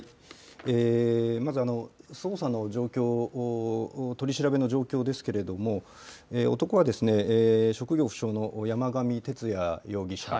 まず捜査の状況、取り調べの状況ですけれども男は職業不詳の山上徹也容疑者。